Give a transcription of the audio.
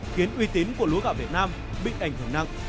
khiến uy tín của lúa gạo việt nam bị ảnh hưởng nặng